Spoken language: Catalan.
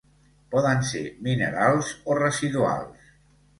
Poden ser minerals o residuals.